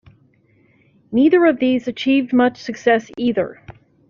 Neither of these achieved much success either.